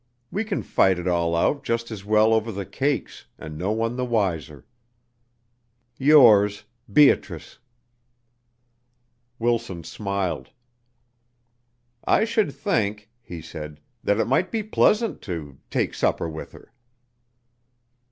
We can fight it all out just as well over the cakes and no one the wiser. Yours, BEATRICE." Wilson smiled. "I should think," he said, "that it might be pleasant to take supper with her."